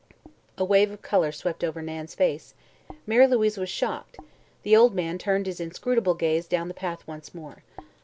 A wave of color swept over Nan's face; Mary Louise was shocked; the old man turned his inscrutable gaze down the path once more.